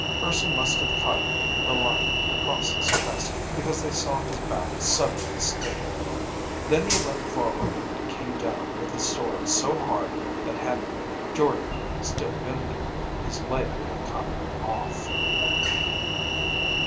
Urson must have caught the line across his chest, because they saw his back suddenly stiffen. Then he leapt forward and came down with his sword so hard that had Jordde still been there, his leg would have come off.